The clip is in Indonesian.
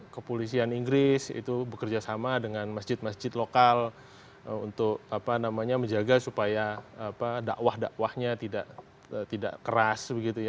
kepolisian inggris itu bekerja sama dengan masjid masjid lokal untuk menjaga supaya dakwah dakwahnya tidak keras